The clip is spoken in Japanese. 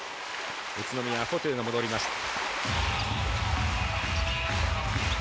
宇都宮、フォトゥが戻りました。